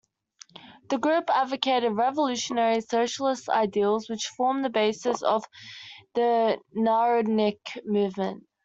The group advocated revolutionary socialist ideals which formed the basis of the Narodnik movement.